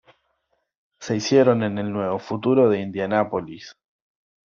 Se hicieron en el nuevo futuro de Indianapolis.